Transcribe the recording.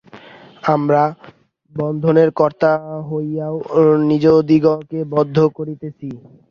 আমরা বন্ধনের কর্তা হইয়াও নিজদিগকে বদ্ধ করিতেছি।